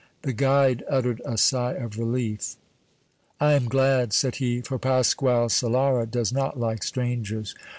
The guide uttered a sigh of relief. "I am glad," said he, "for Pasquale Solara does not like strangers.